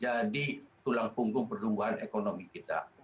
jadi tulang punggung pertumbuhan ekonomi kita